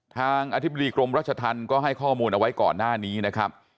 อธิบดีกรมรัชธรรมก็ให้ข้อมูลเอาไว้ก่อนหน้านี้นะครับ